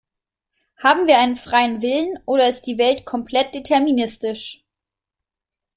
Haben wir einen freien Willen oder ist die Welt komplett deterministisch?